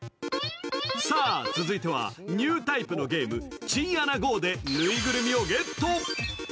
続いてはニュータイプのゲーム、チンアナＧＯでぬいぐるみをゲット。